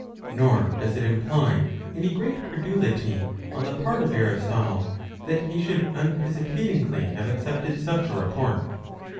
^ Nor does it imply any great credulity on the part of Aristotle, that he should unhesitatingly have accepted such a report.